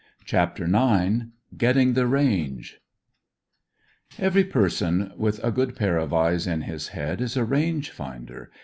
CHAPTER IX GETTING THE RANGE Every person with a good pair of eyes in his head is a range finder.